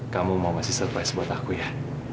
kamu mau ngasih surprise buat aku ya